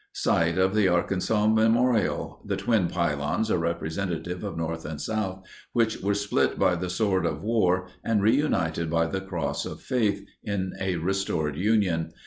Site of the Arkansas memorial. The twin pylons are representative of North and South, which were split by the sword of war and reunited by the cross of faith in a restored Union.